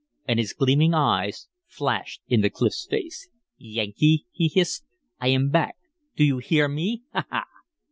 And his gleaming eyes flashed into Clif's face. "Yankee!" he hissed, "I am back. Do you hear me? Ha, ha!"